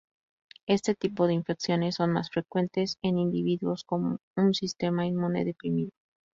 Este tipo de infecciones son más frecuentes en individuos con un sistema inmune deprimido.